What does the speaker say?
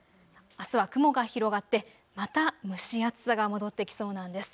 あすは雲が広がって、また蒸し暑さが戻ってきそうなんです。